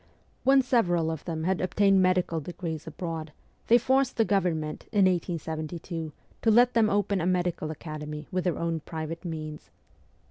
When several of them had obtained medical degrees abroad they forced the Government, in 1872, to let them open a medical academy with their own private means.